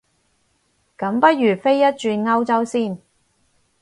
咁不如飛一轉歐遊先